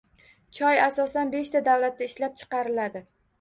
Choy asosan beshta davlatda ishlab chiqariladi